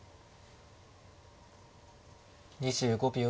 ２５秒。